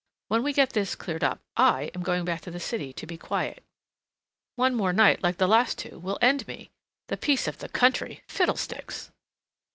When we get this cleared up, I am going back to the city to be quiet. One more night like the last two will end me. The peace of the country—fiddle sticks!"